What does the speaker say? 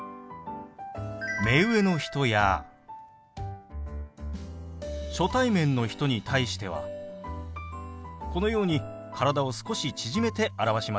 目上の人や初対面の人に対してはこのように体を少し縮めて表しましょう。